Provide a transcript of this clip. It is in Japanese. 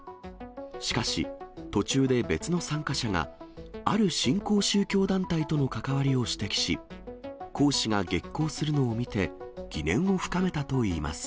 しかし、途中で別の参加者が、ある新興宗教団体との関わりを指摘し、講師が激高するのを見て、疑念を深めたといいます。